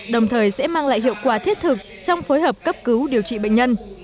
đồng thời sẽ mang lại hiệu quả thiết thực trong phối hợp cấp cứu điều trị bệnh nhân